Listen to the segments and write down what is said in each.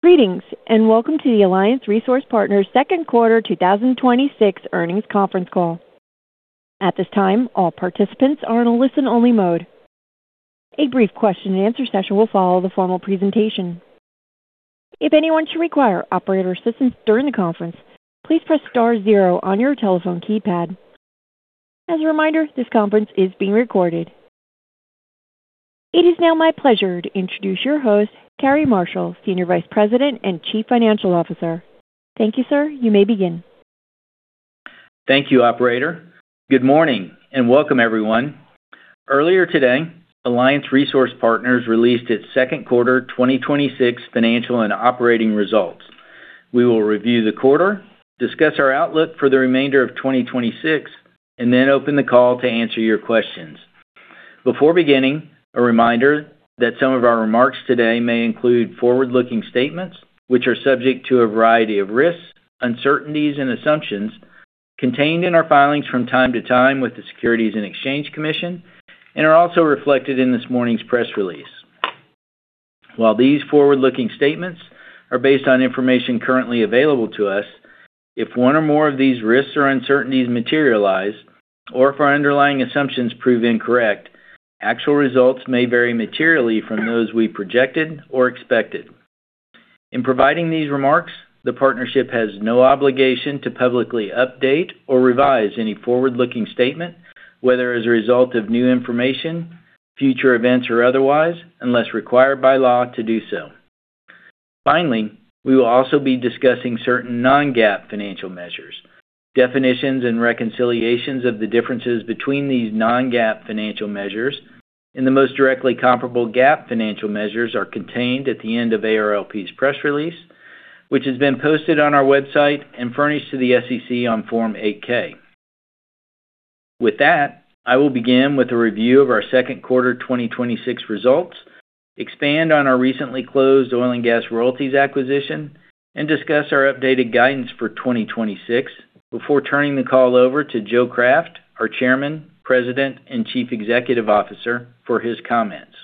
Greetings, welcome to the Alliance Resource Partners second quarter 2026 earnings conference call. At this time, all participants are in a listen-only mode. A brief question-and-answer session will follow the formal presentation. If anyone should require operator assistance during the conference, please press star zero on your telephone keypad. As a reminder, this conference is being recorded. It is now my pleasure to introduce your host, Cary Marshall, Senior Vice President and Chief Financial Officer. Thank you, sir. You may begin. Thank you, operator. Good morning, welcome everyone. Earlier today, Alliance Resource Partners released its second quarter 2026 financial and operating results. We will review the quarter, discuss our outlook for the remainder of 2026, then open the call to answer your questions. Before beginning, a reminder that some of our remarks today may include forward-looking statements, which are subject to a variety of risks, uncertainties, and assumptions contained in our filings from time to time with the Securities and Exchange Commission and are also reflected in this morning's press release. While these forward-looking statements are based on information currently available to us, if one or more of these risks or uncertainties materialize, or if our underlying assumptions prove incorrect, actual results may vary materially from those we projected or expected. In providing these remarks, the partnership has no obligation to publicly update or revise any forward-looking statement, whether as a result of new information, future events, or otherwise, unless required by law to do so. Finally, we will also be discussing certain non-GAAP financial measures. Definitions and reconciliations of the differences between these non-GAAP financial measures and the most directly comparable GAAP financial measures are contained at the end of ARLP's press release, which has been posted on our website and furnished to the SEC on Form 8-K. With that, I will begin with a review of our second quarter 2026 results, expand on our recently closed oil and gas royalties' acquisition, and discuss our updated guidance for 2026 before turning the call over to Joe Craft, our Chairman, President, and Chief Executive Officer, for his comments.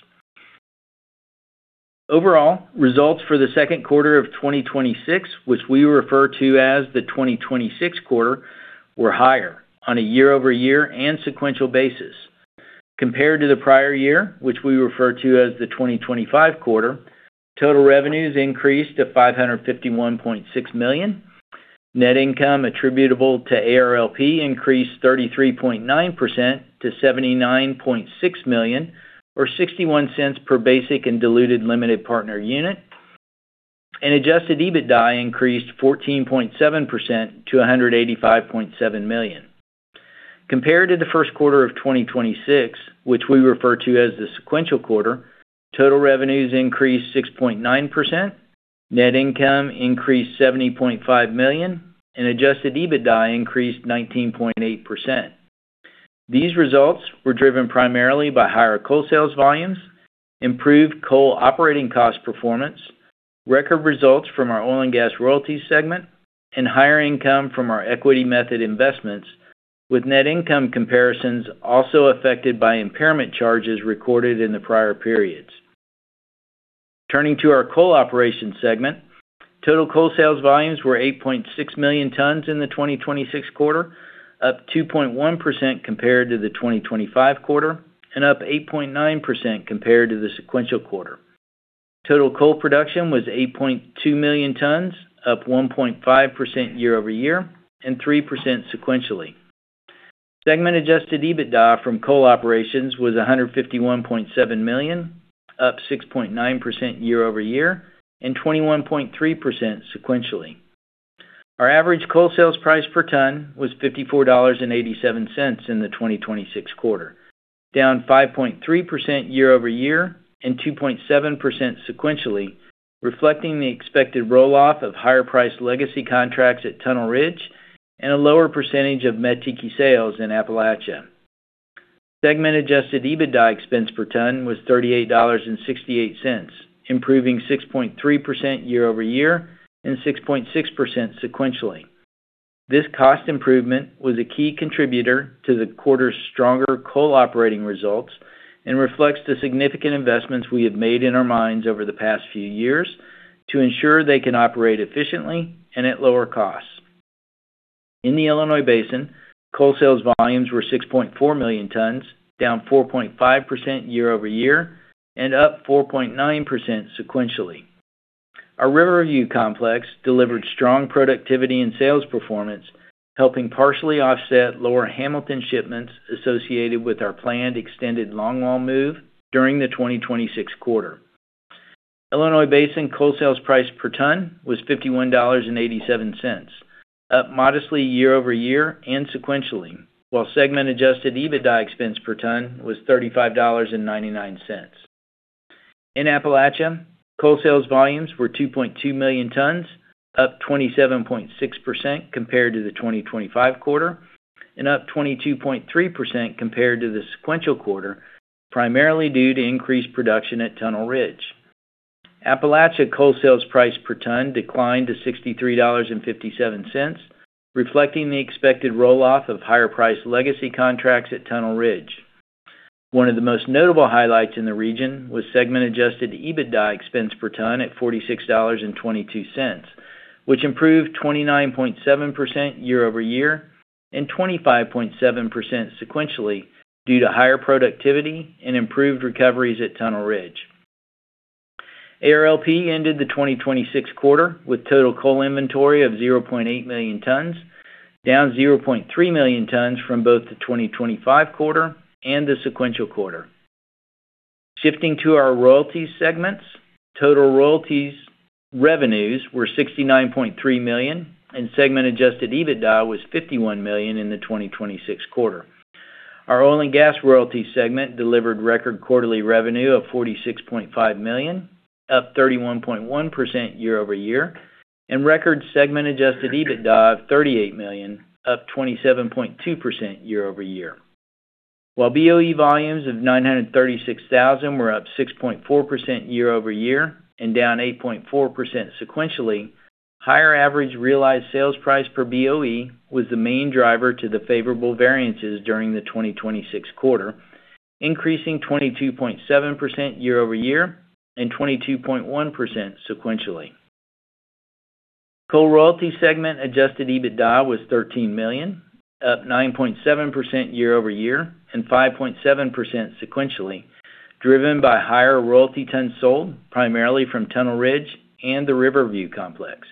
Overall, results for the second quarter of 2026, which we refer to as the 2026 quarter, were higher on a year-over-year and sequential basis. Compared to the prior year, which we refer to as the 2025 quarter, total revenues increased to $551.6 million. Net income attributable to ARLP increased 33.9% to $79.6 million, or $0.61 per basic and diluted limited partner unit, and adjusted EBITDA increased 14.7% to $185.7 million. Compared to the first quarter of 2026, which we refer to as the sequential quarter, total revenues increased 6.9%, net income increased $70.5 million, and adjusted EBITDA increased 19.8%. These results were driven primarily by higher coal sales volumes, improved coal operating cost performance, record results from our oil & gas royalties segment, and higher income from our equity method investments, with net income comparisons also affected by impairment charges recorded in the prior periods. Turning to our coal operations segment. Total coal sales volumes were 8.6 million tons in the 2026 quarter, up 2.1% compared to the 2025 quarter, and up 8.9% compared to the sequential quarter. Total coal production was 8.2 million tons, up 1.5% year-over-year and 3% sequentially. Segment adjusted EBITDA from coal operations was $151.7 million, up 6.9% year-over-year and 21.3% sequentially. Our average coal sales price per ton was $54.87 in the 2026 quarter, down 5.3% year-over-year and 2.7% sequentially, reflecting the expected roll-off of higher-priced legacy contracts at Tunnel Ridge and a lower percentage of Mettiki sales in Appalachia. Segment adjusted EBITDA expense per ton was $38.68, improving 6.3% year-over-year and 6.6% sequentially. This cost improvement was a key contributor to the quarter's stronger coal operating results and reflects the significant investments we have made in our mines over the past few years to ensure they can operate efficiently and at lower costs. In the Illinois Basin, coal sales volumes were 6.4 million tons, down 4.5% year-over-year and up 4.9% sequentially. Our Riverview complex delivered strong productivity and sales performance, helping partially offset lower Hamilton shipments associated with our planned extended longwall move during the 2026 quarter. Illinois Basin coal sales price per ton was $51.87, up modestly year-over-year and sequentially. Segment adjusted EBITDA expense per ton was $35.99. In Appalachia, coal sales volumes were 2.2 million tons, up 27.6% compared to the 2025 quarter, and up 22.3% compared to the sequential quarter, primarily due to increased production at Tunnel Ridge. Appalachia coal sales price per ton declined to $63.57, reflecting the expected roll-off of higher-priced legacy contracts at Tunnel Ridge. One of the most notable highlights in the region was segment adjusted EBITDA expense per ton at $46.22, which improved 29.7% year-over-year and 25.7% sequentially due to higher productivity and improved recoveries at Tunnel Ridge. ARLP ended the 2026 quarter with total coal inventory of 0.8 million tons, down 0.3 million tons from both the 2025 quarter and the sequential quarter. Shifting to our royalties' segments, total royalties' revenues were $69.3 million, and segment adjusted EBITDA was $51 million in the 2026 quarter. Our oil and gas royalty segment delivered record quarterly revenue of $46.5 million, up 31.1% year-over-year, and record segment adjusted EBITDA of $38 million, up 27.2% year-over-year. While BOE volumes of 936,000 were up 6.4% year-over-year and down 8.4% sequentially, higher average realized sales price per BOE was the main driver to the favorable variances during the 2026 quarter, increasing 22.7% year-over-year and 22.1% sequentially. Coal royalty segment adjusted EBITDA was $13 million, up 9.7% year-over-year and 5.7% sequentially, driven by higher royalty tons sold primarily from Tunnel Ridge and the Riverview Complex.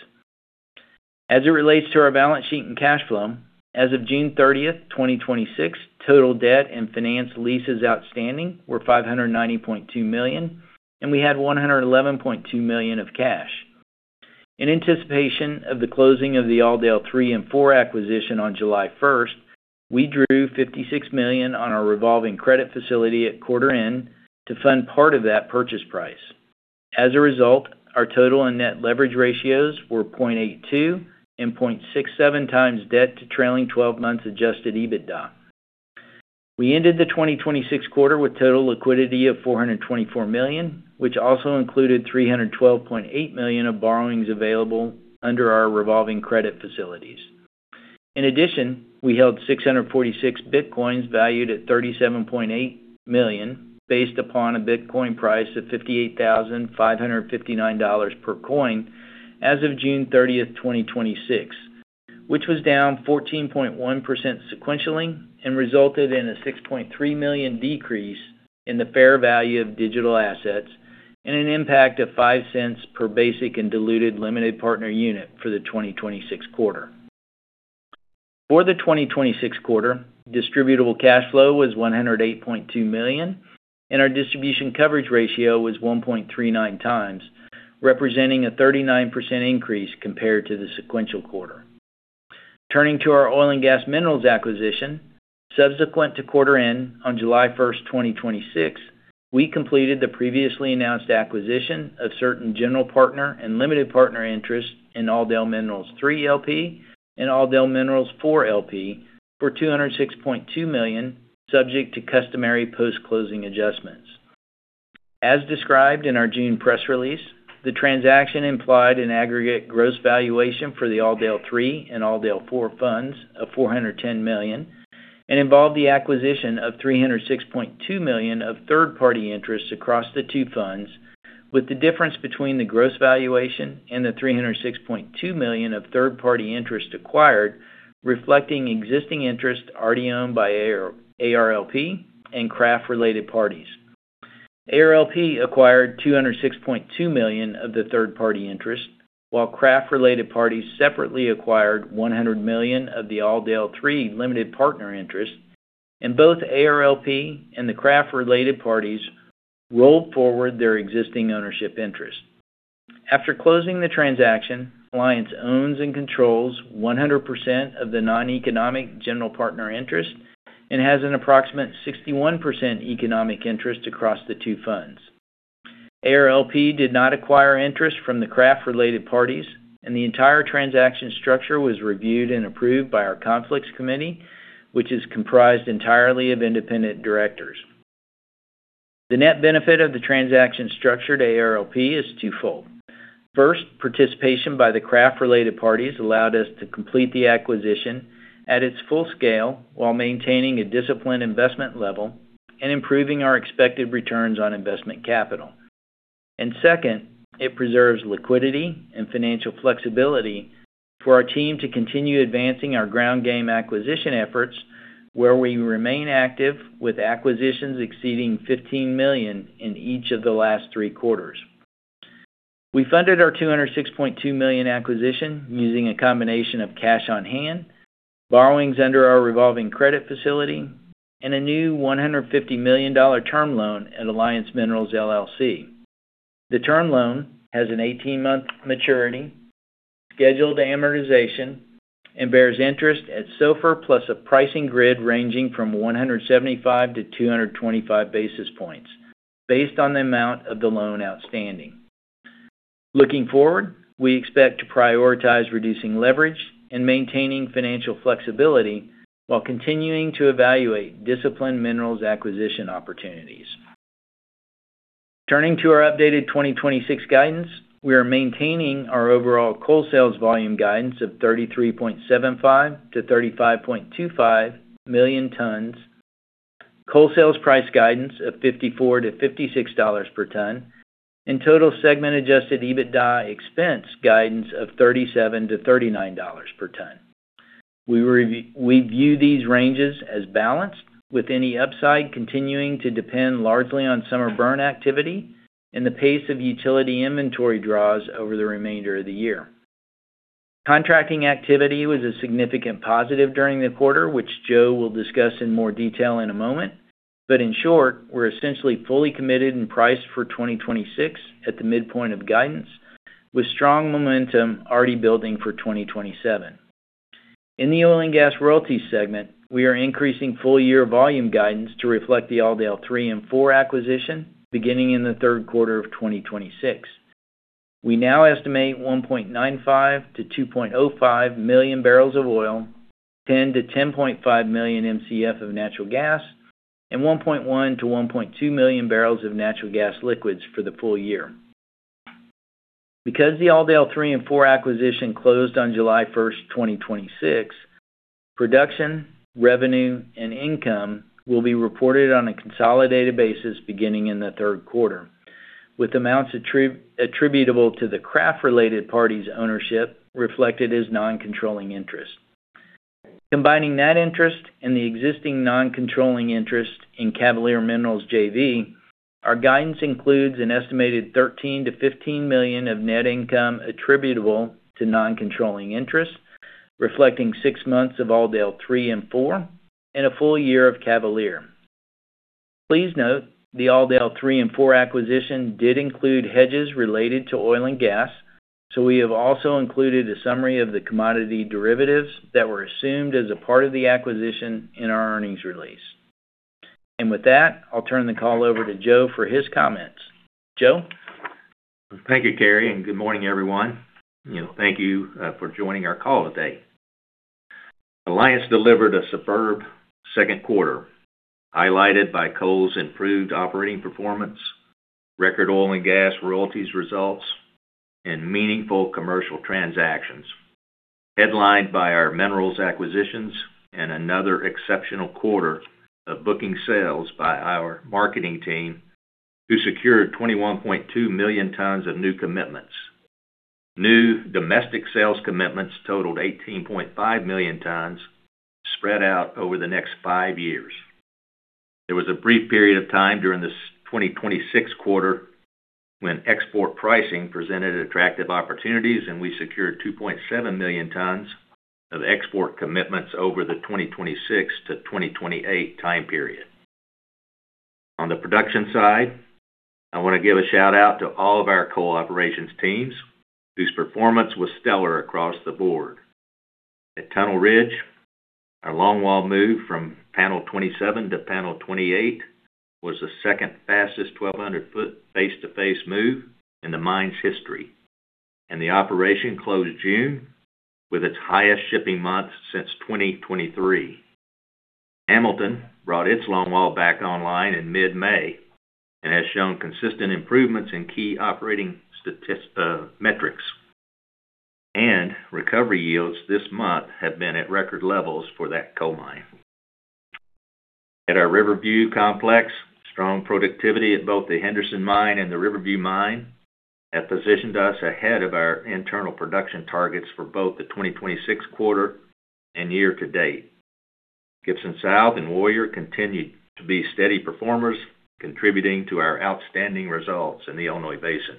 As it relates to our balance sheet and cash flow, as of June 30th, 2026, total debt and finance leases outstanding were $590.2 million, and we had $111.2 million of cash. In anticipation of the closing of the AllDale III and IV acquisition on July 1st, we drew $56 million on our revolving credit facility at quarter end to fund part of that purchase price. As a result, our total and net leverage ratios were 0.82- and 0.67-times debt to trailing 12 months adjusted EBITDA. We ended the 2026 quarter with total liquidity of $424 million, which also included $312.8 million of borrowings available under our revolving credit facilities. In addition, we held 646 Bitcoins valued at $37.8 million, based upon a Bitcoin price of $58,559 per coin as of June 30, 2026, which was down 14.1% sequentially and resulted in a $6.3 million decrease in the fair value of digital assets and an impact of $0.05 per basic and diluted limited partner unit for the 2026 quarter. For the 2026 quarter, distributable cash flow was $108.2 million, and our distribution coverage ratio was 1.39 times, representing a 39% increase compared to the sequential quarter. Turning to our oil and gas minerals acquisition, subsequent to quarter end on July 1st, 2026, we completed the previously announced acquisition of certain general partner and limited partner interests in AllDale Minerals III, LP and AllDale Minerals IV, LP for $206.2 million subject to customary post-closing adjustments. As described in our June press release, the transaction implied an aggregate gross valuation for the AllDale III and AllDale IV funds of $410 million and involved the acquisition of $306.2 million of third-party interests across the two funds with the difference between the gross valuation and the $306.2 million of third-party interest acquired reflecting existing interest already owned by ARLP and Craft-related parties. ARLP acquired $206.2 million of the third-party interest while Craft-related parties separately acquired $100 million of the AllDale III limited partner interest, and both ARLP and the Craft-related parties rolled forward their existing ownership interest. After closing the transaction, Alliance owns and controls 100% of the noneconomic general partner interest and has an approximate 61% economic interest across the two funds. ARLP did not acquire interest from the Craft-related parties, and the entire transaction structure was reviewed and approved by our conflicts committee, which is comprised entirely of independent directors. The net benefit of the transaction structure to ARLP is twofold. First, participation by the Craft-related parties allowed us to complete the acquisition at its full scale while maintaining a disciplined investment level and improving our expected returns on investment capital. Second, it preserves liquidity and financial flexibility for our team to continue advancing our ground game acquisition efforts, where we remain active with acquisitions exceeding $15 million in each of the last three quarters. We funded our $206.2 million acquisition using a combination of cash on hand, borrowings under our revolving credit facility, and a new $150 million term loan at Alliance Minerals, LLC. The term loan has an 18-month maturity, scheduled amortization, and bears interest at SOFR plus a pricing grid ranging from 175-225 basis points based on the amount of the loan outstanding. Looking forward, we expect to prioritize reducing leverage and maintaining financial flexibility while continuing to evaluate disciplined minerals acquisition opportunities. Turning to our updated 2026 guidance, we are maintaining our overall coal sales volume guidance of 33.75 million-35.25 million tons, coal sales price guidance of $54-$56 per ton, and total segment adjusted EBITDA expense guidance of $37-$39 per ton. We view these ranges as balanced with any upside continuing to depend largely on summer burn activity and the pace of utility inventory draws over the remainder of the year. Contracting activity was a significant positive during the quarter, which Joe will discuss in more detail in a moment, but in short, we're essentially fully committed and priced for 2026 at the midpoint of guidance with strong momentum already building for 2027. In the oil and gas royalty segment, we are increasing full year volume guidance to reflect the AllDale III and IV acquisition beginning in the third quarter of 2026. We now estimate 1.95 million barrels of oil-2.05 million barrels of oil, 10 million Mcf of natural gas-10.5 million Mcf of natural gas, and 1.1 million barrels of natural gas liquids-1.2 million barrels of natural gas liquids for the full year. Because the AllDale III and IV acquisition closed on July 1st, 2026, production, revenue, and income will be reported on a consolidated basis beginning in the third quarter, with amounts attributable to the Craft-related parties ownership reflected as non-controlling interest. Combining that interest and the existing non-controlling interest in Cavalier Minerals JV, our guidance includes an estimated $13 million-$15 million of net income attributable to non-controlling interest, reflecting six months of AllDale III and IV and a full year of Cavalier. Please note the AllDale III and IV acquisition did include hedges related to oil and gas, so we have also included a summary of the commodity derivatives that were assumed as a part of the acquisition in our earnings release. With that, I'll turn the call over to Joe for his comments. Joe. Thank you, Cary. Good morning, everyone. Thank you for joining our call today. Alliance delivered a superb second quarter, highlighted by coal's improved operating performance, record oil and gas royalties' results, and meaningful commercial transactions, headlined by our minerals acquisitions and another exceptional quarter of booking sales by our marketing team, who secured 21.2 million tons of new commitments. New domestic sales commitments totaled 18.5 million tons spread out over the next five years. There was a brief period of time during this 2026 quarter when export pricing presented attractive opportunities, and we secured 2.7 million tons of export commitments over the 2026 to 2028 time period. On the production side, I want to give a shout-out to all of our coal operations teams, whose performance was stellar across the board. At Tunnel Ridge, our longwall move from panel 27 to panel 28 was the second fastest 1,200-foot face-to-face move in the mine's history. The operation closed June with its highest shipping month since 2023. Hamilton brought its longwall back online in mid-May and has shown consistent improvements in key operating metrics. Recovery yields this month have been at record levels for that coal mine. At our Riverview complex, strong productivity at both the Henderson Mine and the Riverview Mine have positioned us ahead of our internal production targets for both the 2026 quarter and year to date. Gibson South and Warrior continued to be steady performers, contributing to our outstanding results in the Illinois Basin.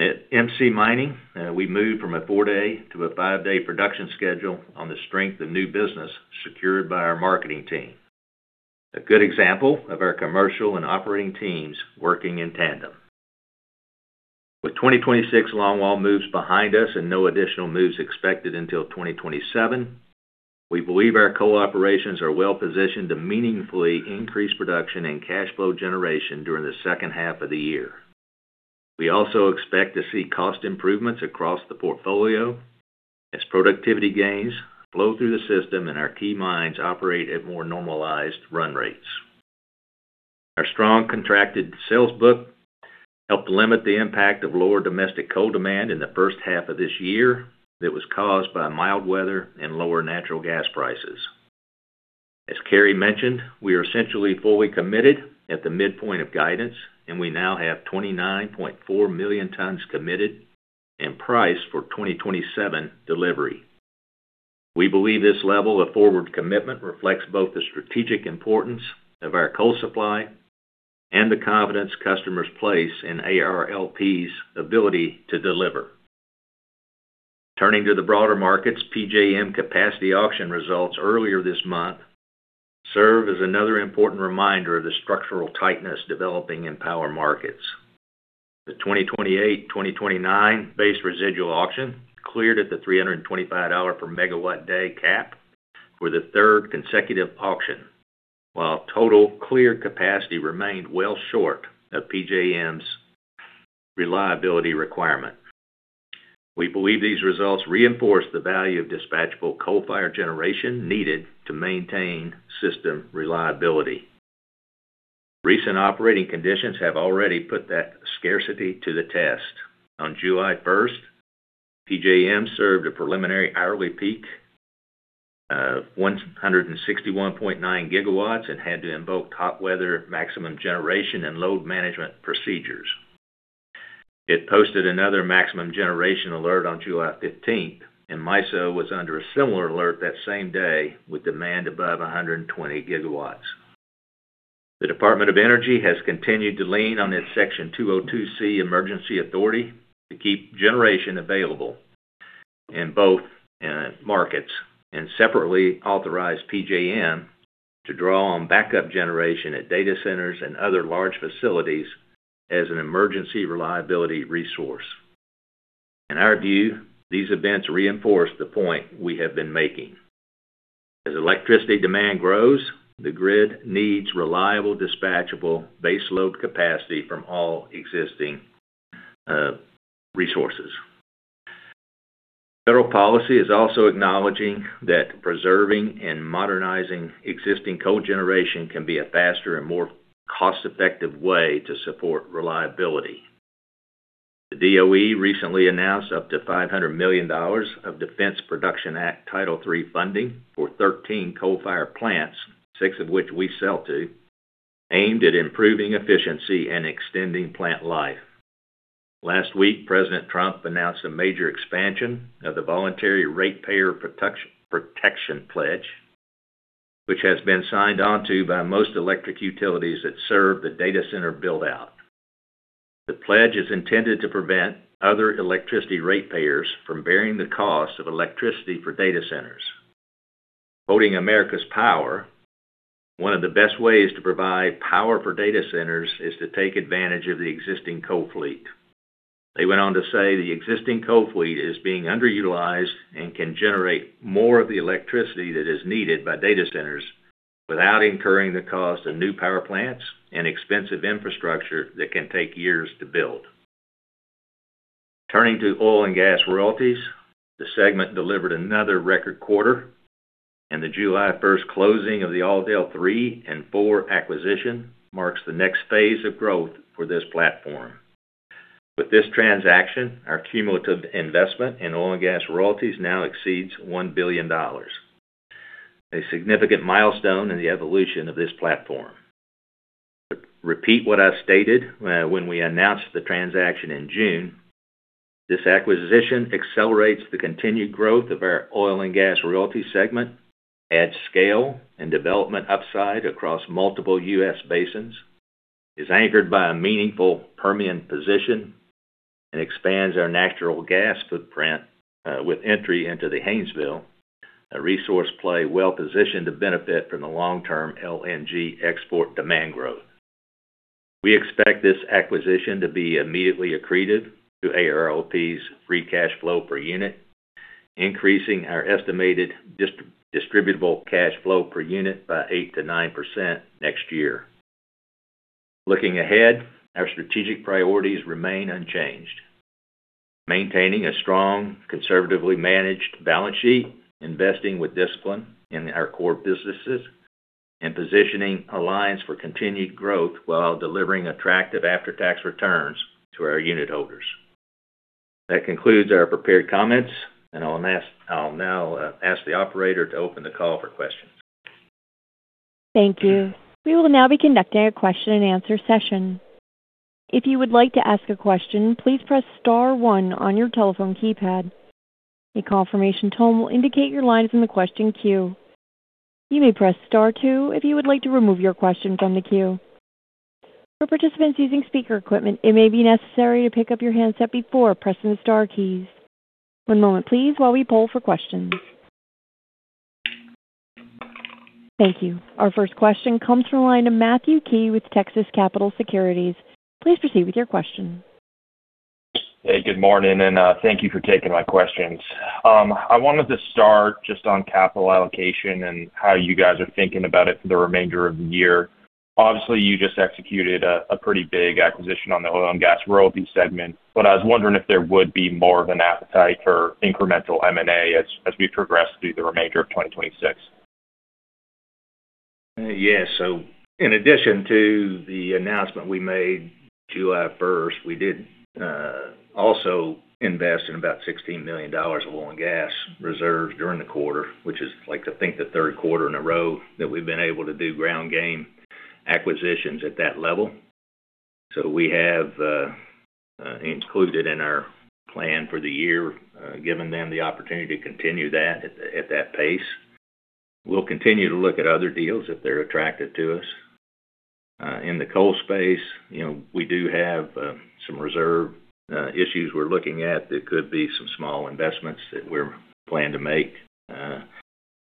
At MC Mining, we moved from a four-day to a five-day production schedule on the strength of new business secured by our marketing team. A good example of our commercial and operating teams working in tandem. With 2026 longwall moves behind us and no additional moves expected until 2027, we believe our coal operations are well positioned to meaningfully increase production and cash flow generation during the second half of the year. We also expect to see cost improvements across the portfolio as productivity gains flow through the system and our key mines operate at more normalized run rates. Our strong contracted sales book helped limit the impact of lower domestic coal demand in the first half of this year that was caused by mild weather and lower natural gas prices. As Cary mentioned, we are essentially fully committed at the midpoint of guidance, and we now have 29.4 million tons committed and priced for 2027 delivery. We believe this level of forward commitment reflects both the strategic importance of our coal supply, and the confidence customers place in ARLP's ability to deliver. Turning to the broader markets, PJM capacity auction results earlier this month serve as another important reminder of the structural tightness developing in power markets. The 2028-2029 base residual auction cleared at the $325 per megawatt day cap for the third consecutive auction, while total cleared capacity remained well short of PJM's reliability requirement. We believe these results reinforce the value of dispatchable coal-fired generation needed to maintain system reliability. Recent operating conditions have already put that scarcity to the test. On July 1st, PJM served a preliminary hourly peak of 161.9 GW and had to invoke hot weather maximum generation and load management procedures. It posted another maximum generation alert on July 15th, and MISO was under a similar alert that same day with demand above 120 GW. The Department of Energy has continued to lean on its Section 202(c) emergency authority to keep generation available in both markets, and separately authorized PJM to draw on backup generation at data centers and other large facilities as an emergency reliability resource. In our view, these events reinforce the point we have been making. As electricity demand grows, the grid needs reliable, dispatchable baseload capacity from all existing resources. Federal policy is also acknowledging that preserving and modernizing existing co-generation can be a faster and more cost-effective way to support reliability. The DOE recently announced up to $500 million of Defense Production Act Title III funding for 13 coal-fired plants, six of which we sell to, aimed at improving efficiency and extending plant life. Last week, President Trump announced a major expansion of the voluntary ratepayer protection pledge, which has been signed onto by most electric utilities that serve the data center build-out. The pledge is intended to prevent other electricity ratepayers from bearing the cost of electricity for data centers. Quoting America's Power, "One of the best ways to provide power for data centers is to take advantage of the existing coal fleet." They went on to say the existing coal fleet is being underutilized and can generate more of the electricity that is needed by data centers without incurring the cost of new power plants and expensive infrastructure that can take years to build. Turning to oil and gas royalties, the segment delivered another record quarter, and the July 1st closing of the AllDale III and IV acquisition marks the next phase of growth for this platform. With this transaction, our cumulative investment in oil and gas royalties now exceeds $1 billion. A significant milestone in the evolution of this platform. To repeat what I stated when we announced the transaction in June, this acquisition accelerates the continued growth of our oil and gas royalty segment, adds scale and development upside across multiple U.S. basins, is anchored by a meaningful Permian position, and expands our natural gas footprint with entry into the Haynesville, a resource play well-positioned to benefit from the long-term LNG export demand growth. We expect this acquisition to be immediately accretive to ARLP's free cash flow per unit, increasing our estimated distributable cash flow per unit by 8%-9% next year. Looking ahead, our strategic priorities remain unchanged. Maintaining a strong, conservatively managed balance sheet, investing with discipline in our core businesses, and positioning Alliance for continued growth while delivering attractive after-tax returns to our unit holders. That concludes our prepared comments, I'll now ask the operator to open the call for questions. Thank you. We will now be conducting a question-and-answer session. If you would like to ask a question, please press star one on your telephone keypad. A confirmation tone will indicate your line is in the question queue. You may press star two if you would like to remove your question from the queue. For participants using speaker equipment, it may be necessary to pick up your handset before pressing the star keys. One moment, please, while we poll for questions. Thank you. Our first question comes from the line of Matthew Key with Texas Capital Securities. Please proceed with your question. Hey, good morning, Thank you for taking my questions. I wanted to start just on capital allocation and how you guys are thinking about it for the remainder of the year. Obviously, you just executed a pretty big acquisition on the oil and gas royalty segment, I was wondering if there would be more of an appetite for incremental M&A as we progress through the remainder of 2026. In addition to the announcement we made July 1st, we did also invest in about $16 million of oil and gas reserves during the quarter, which is, I think the third quarter in a row that we've been able to do ground game acquisitions at that level. We have included in our plan for the year, giving them the opportunity to continue that at that pace. We'll continue to look at other deals if they're attractive to us. In the coal space, we do have some reserve issues we're looking at that could be some small investments that we plan to make.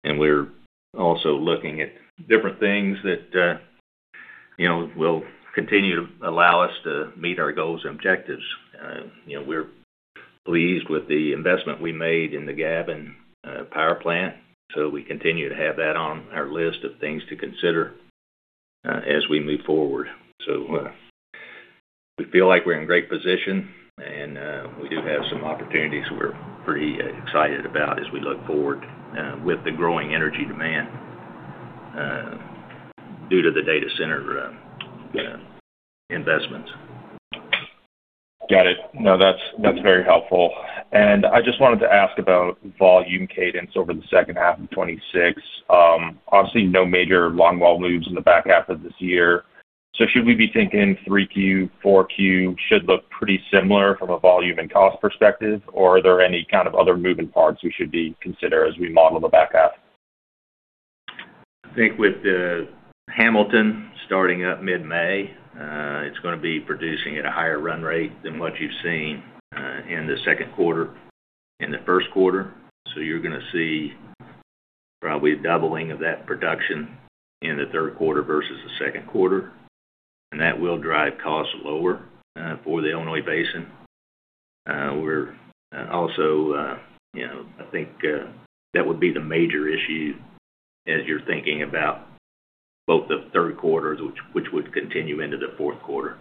We're also looking at different things that will continue to allow us to meet our goals and objectives. We're pleased with the investment we made in the Gavin Power Plant, we continue to have that on our list of things to consider as we move forward. We feel like we're in great position, we do have some opportunities we're pretty excited about as we look forward with the growing energy demand due to the data center investments. Got it. No, that's very helpful. I just wanted to ask about volume cadence over the second half of 2026. Obviously, no major longwall moves in the back half of this year. Should we be thinking 3Q, 4Q should look pretty similar from a volume and cost perspective? Are there any kind of other moving parts we should consider as we model the back half? I think with Hamilton starting up mid-May, it's going to be producing at a higher run rate than what you've seen in the second quarter, in the first quarter. You're going to see probably a doubling of that production in the third quarter versus the second quarter. That will drive costs lower for the Illinois Basin. I think that would be the major issue as you're thinking about both the third quarters, which would continue into the fourth quarter.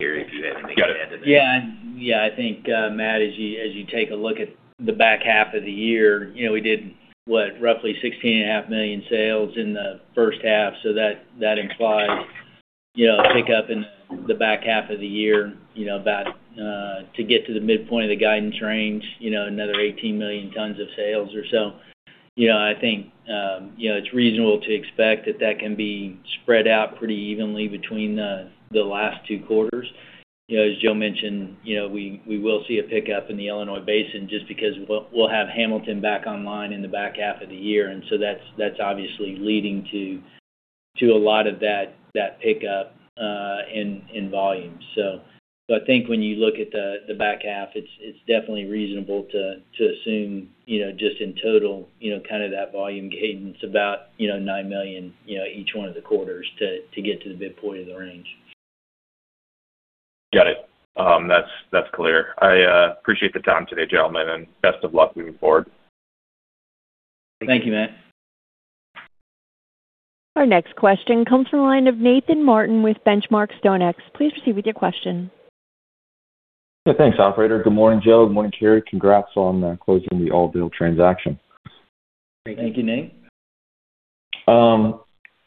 Cary, if you have anything to add to that? Got it. Yeah. I think, Matt, as you take a look at the back half of the year, we did roughly 16.5 million sales in the first half. That implies a pickup in the back half of the year to get to the midpoint of the guidance range, another 18 million tons of sales or so. I think it's reasonable to expect that that can be spread out pretty evenly between the last two quarters. As Joe mentioned, we will see a pickup in the Illinois Basin just because we'll have Hamilton back online in the back half of the year, that's obviously leading to a lot of that pickup in volume. I think when you look at the back half, it's definitely reasonable to assume just in total, that volume cadence about 9 million each one of the quarters to get to the midpoint of the range. Got it. That's clear. I appreciate the time today, gentlemen, and best of luck moving forward. Thank you. Thank you, Matt. Our next question comes from the line of Nathan Martin with The Benchmark Company. Please proceed with your question. Yeah, thanks, operator. Good morning, Joe. Good morning, Cary. Congrats on closing the AllDale transaction. Thank you. Thank you, Nate.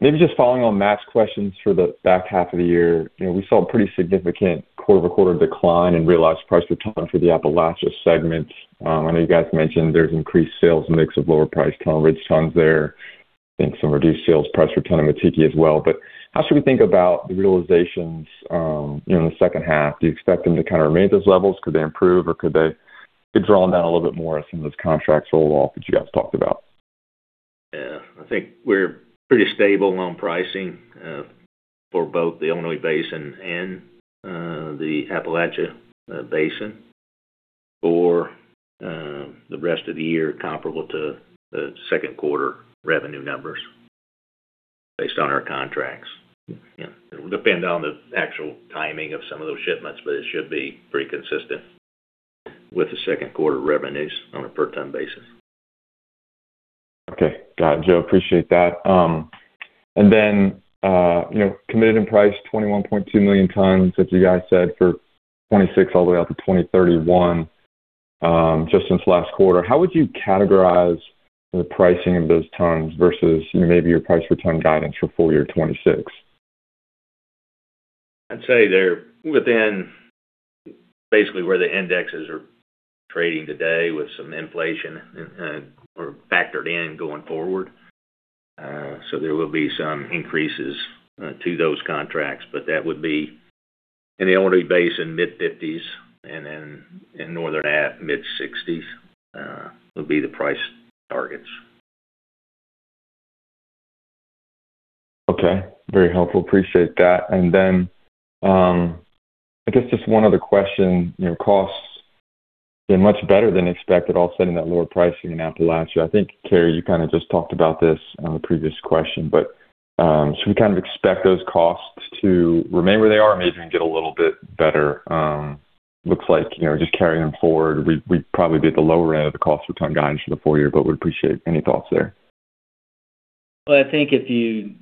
Maybe just following on Matt's questions for the back half of the year. We saw a pretty significant quarter-over-quarter decline in realized price per ton for the Appalachia segment. I know you guys mentioned there's increased sales mix of lower priced Tunnel Ridge tons there. I think some reduced sales price for ton in Mettiki as well. How should we think about the realizations in the second half? Do you expect them to kind of remain at those levels? Could they improve or could they draw them down a little bit more as some of those contracts roll off that you guys talked about? I think we're pretty stable on pricing for both the Illinois Basin and the Appalachia Basin for the rest of the year comparable to the second quarter revenue numbers based on our contracts. It will depend on the actual timing of some of those shipments, but it should be pretty consistent with the second quarter revenues on a per ton basis. Okay. Got it, Joe. Appreciate that. Committed and priced 21.2 million tons, as you guys said, for 2026 all the way out to 2031, just since last quarter. How would you categorize the pricing of those tons versus maybe your price per ton guidance for full year 2026? I'd say they're within basically where the indexes are trading today with some inflation factored in going forward. There will be some increases to those contracts, but that would be in the Illinois Basin mid-50s and then in Northern App mid-60s would be the price targets. Okay. Very helpful. Appreciate that. Then, I guess just one other question. Costs been much better than expected all sudden that lower pricing in Appalachia. I think, Cary, you kind of just talked about this on the previous question, but should we kind of expect those costs to remain where they are or maybe even get a little bit better? Looks like just carrying them forward, we'd probably be at the lower end of the cost per ton guidance for the full year but would appreciate any thoughts there. Well, I think if you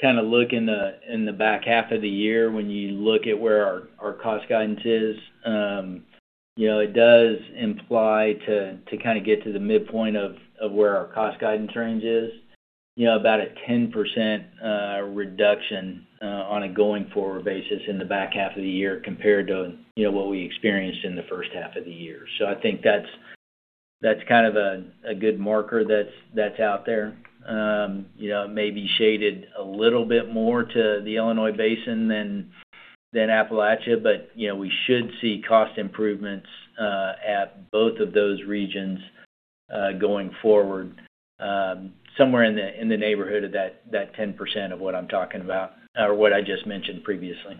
look in the back half of the year, when you look at where our cost guidance is, it does imply to get to the midpoint of where our cost guidance range is about a 10% reduction on a going forward basis in the back half of the year compared to what we experienced in the first half of the year. I think that's kind of a good marker that's out there. Maybe shaded a little bit more to the Illinois Basin than Appalachia, but we should see cost improvements at both of those regions going forward. Somewhere in the neighborhood of that 10% of what I'm talking about or what I just mentioned previously.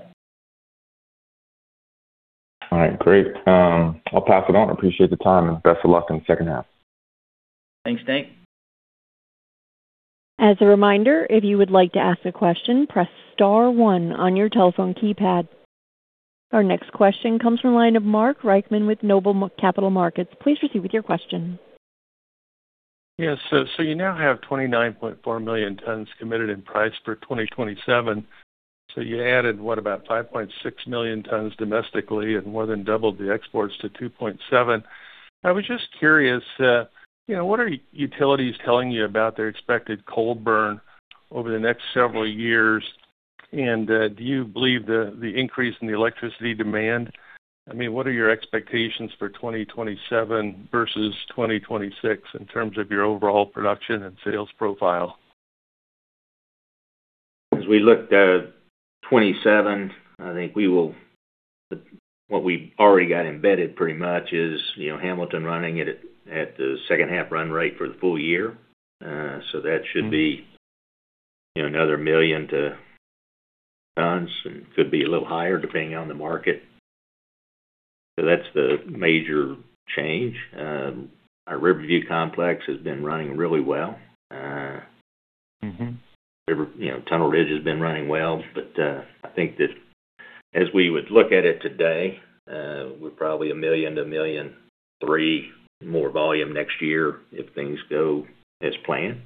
All right. Great. I'll pass it on. Appreciate the time, and best of luck in the second half. Thanks, Nate. As a reminder, if you would like to ask a question, press *1 on your telephone keypad. Our next question comes from line of Mark Reichman with Noble Capital Markets. Please proceed with your question. Yes. You now have 29.4 million tons committed in price for 2027. You added, what, about 5.6 million tons domestically and more than doubled the exports to 2.7. I was just curious, what are utilities telling you about their expected coal burn over the next several years, and do you believe the increase in the electricity demand? What are your expectations for 2027 versus 2026 in terms of your overall production and sales profile? As we look to 2027, I think what we've already got embedded pretty much is Hamilton running at the second half run rate for the full year. That should be another million tons and could be a little higher, depending on the market. That's the major change. Our Riverview complex has been running really well. Tunnel Ridge has been running well. I think that as we would look at it today, we're probably a million to million and three more volume next year if things go as planned.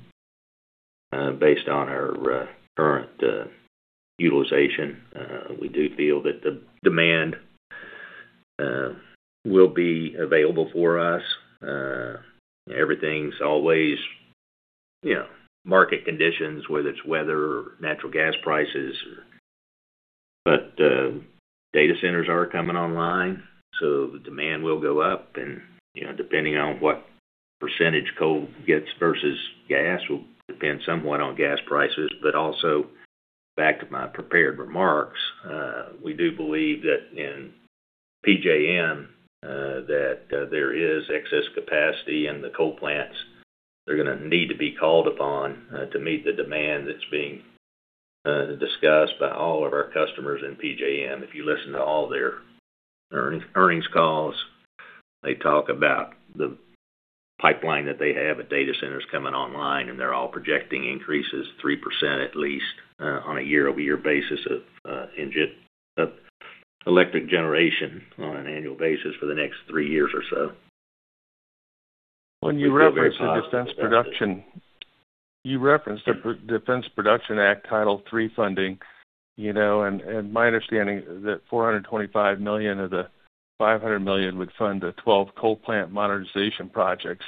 Based on our current utilization, we do feel that the demand will be available for us. Everything's always market conditions, whether it's weather or natural gas prices. Data centers are coming online, so the demand will go up and, depending on what percentage coal gets versus gas, will depend somewhat on gas prices. Also, back to my prepared remarks, we do believe that in PJM that there is excess capacity in the coal plants. They're going to need to be called upon to meet the demand that's being discussed by all of our customers in PJM. If you listen to all their earnings calls, they talk about the pipeline that they have at data centers coming online, and they're all projecting increases 3% at least on a year-over-year basis of electric generation on an annual basis for the next three years or so. When you reference the defense production, you referenced the Defense Production Act Title III funding. My understanding that $425 million of the $500 million would fund the 12 coal plant modernization projects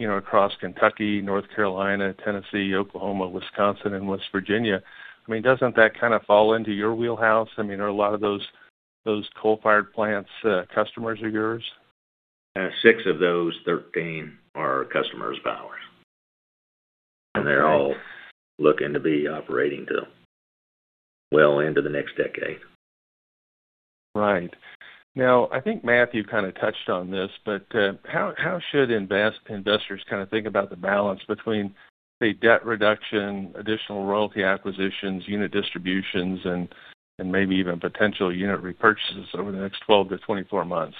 across Kentucky, North Carolina, Tennessee, Oklahoma, Wisconsin, and West Virginia. Doesn't that kind of fall into your wheelhouse? I mean, are a lot of those coal-fired plants customers of yours? Six of those 13 are customers of ours. Okay. They're all looking to be operating till well into the next decade. Right. I think Matthew kind of touched on this, but how should investors think about the balance between, say, debt reduction, additional royalty acquisitions, unit distributions, and maybe even potential unit repurchases over the next 12 to 24 months?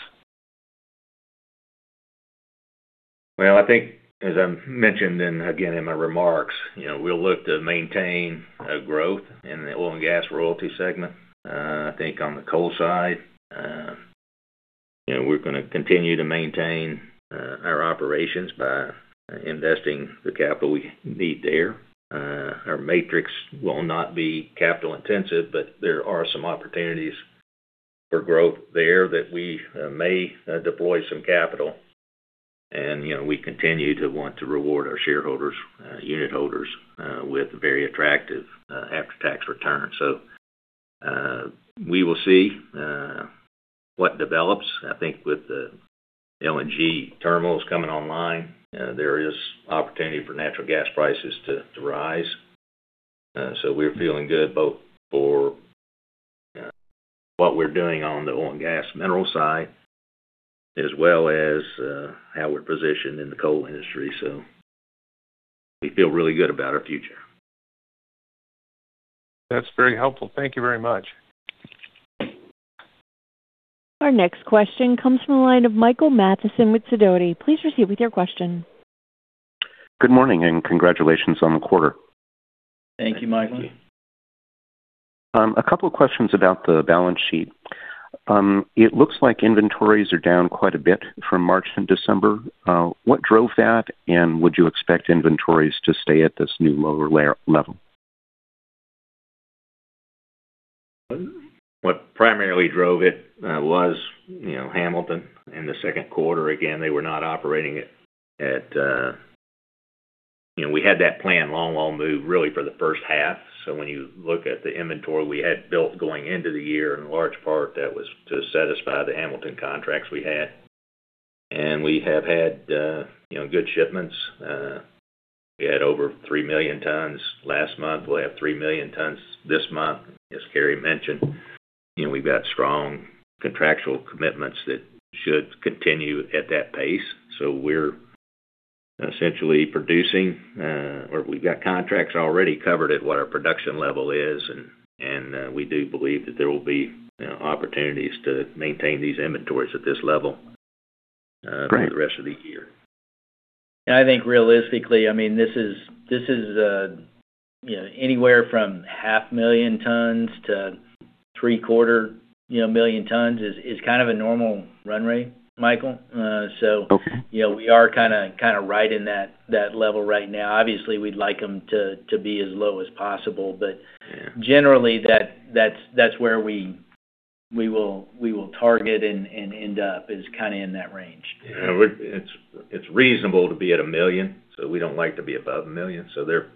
I think as I mentioned, and again in my remarks, we'll look to maintain a growth in the oil and gas royalty segment. I think on the coal side, we're going to continue to maintain our operations by investing the capital we need there. Our matrix will not be capital intensive, but there are some opportunities for growth there that we may deploy some capital, and we continue to want to reward our shareholders, unit holders with very attractive after-tax returns. We will see what develops. I think with the LNG terminals coming online, there is opportunity for natural gas prices to rise. We're feeling good both for what we're doing on the oil and gas mineral side, as well as how we're positioned in the coal industry. We feel really good about our future. That's very helpful. Thank you very much. Our next question comes from the line of Michael Mathison with Sidoti. Please proceed with your question. Good morning. Congratulations on the quarter. Thank you, Michael. Thank you. A couple of questions about the balance sheet. It looks like inventories are down quite a bit from March and December. What drove that, and would you expect inventories to stay at this new lower level? What primarily drove it was Hamilton in the second quarter. Again, they were not operating. We had that planned longwall move really for the first half. When you look at the inventory we had built going into the year, in large part, that was to satisfy the Hamilton contracts we had. We have had good shipments. We had over 3 million tons last month. We'll have 3 million tons this month. As Cary mentioned, we've got strong contractual commitments that should continue at that pace. We're essentially producing, or we've got contracts already covered at what our production level is, and we do believe that there will be opportunities to maintain these inventories at this level. Great For the rest of the year. I think realistically this is a. Anywhere from half million tons to three quarter million tons is kind of a normal run rate, Michael. Okay. We are right in that level right now. Obviously, we'd like them to be as low as possible. Generally, that's where we will target and end up is kind of in that range. Yeah. It's reasonable to be at a million, we don't like to be above million. There,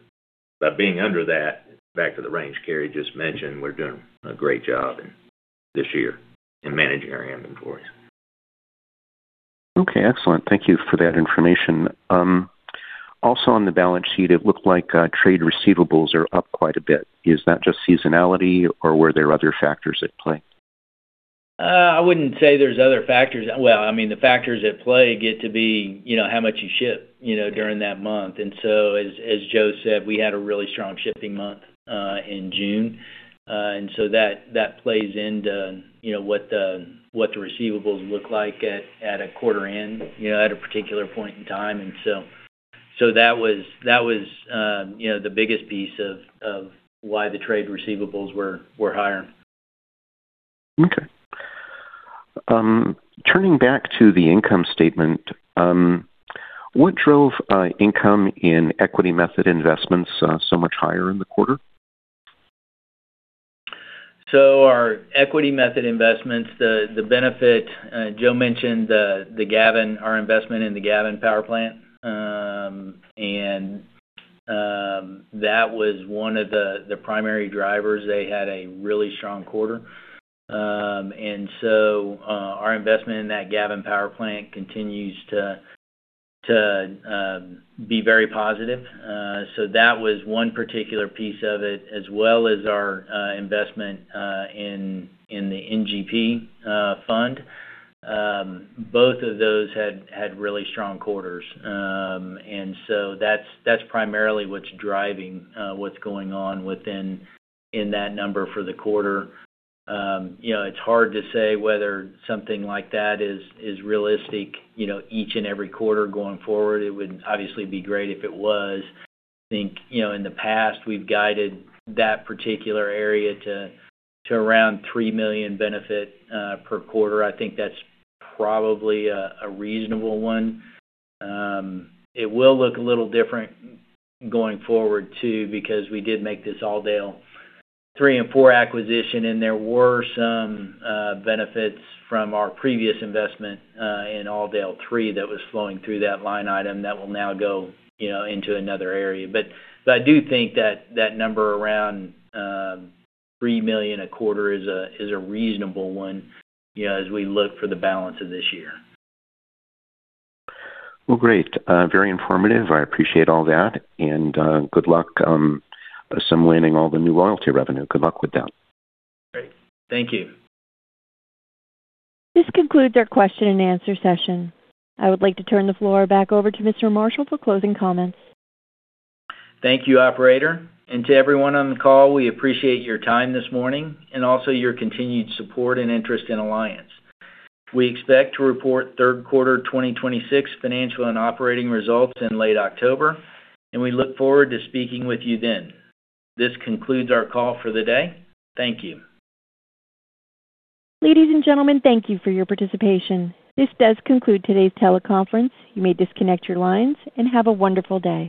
by being under that, back to the range Cary just mentioned, we're doing a great job this year in managing our inventories. Okay, excellent. Thank you for that information. Also on the balance sheet, it looked like trade receivables are up quite a bit. Is that just seasonality or were there other factors at play? I wouldn't say there's other factors. Well, I mean, the factors at play get to be how much you ship during that month. As Joe said, we had a really strong shipping month in June. That plays into what the receivables look like at a quarter end, at a particular point in time. That was the biggest piece of why the trade receivables were higher. Turning back to the income statement, what drove income in equity method investments so much higher in the quarter? Our equity method investments, the benefit Joe mentioned, our investment in the Gavin Power Plant, and that was one of the primary drivers. They had a really strong quarter. Our investment in that Gavin Power Plant continues to be very positive. That was one particular piece of it, as well as our investment in the NGP fund. Both of those had really strong quarters. That's primarily what's driving what's going on within that number for the quarter. It's hard to say whether something like that is realistic each and every quarter going forward. It would obviously be great if it was. I think, in the past, we've guided that particular area to around $3 million benefit per quarter. I think that's probably a reasonable one. It will look a little different going forward too because we did make this AllDale III and IV acquisition, there were some benefits from our previous investment in AllDale III that was flowing through that line item that will now go into another area. I do think that that number around $3 million a quarter is a reasonable one as we look for the balance of this year. Great. Very informative. I appreciate all that. Good luck assimilating all the new royalty revenue. Good luck with that. Great. Thank you. This concludes our question-and-answer session. I would like to turn the floor back over to Mr. Marshall for closing comments. Thank you, operator. To everyone on the call, we appreciate your time this morning and also your continued support and interest in Alliance. We expect to report third quarter 2026 financial and operating results in late October, and we look forward to speaking with you then. This concludes our call for the day. Thank you. Ladies and gentlemen, thank you for your participation. This does conclude today's teleconference. You may disconnect your lines, have a wonderful day.